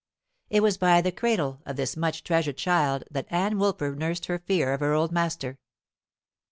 It was by the cradle of this much treasured child that Ann Woolper nursed her fear of her old master.